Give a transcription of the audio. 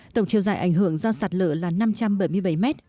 tổng chiều dài ảnh hưởng do sạt lở là năm trăm bảy mươi bảy mét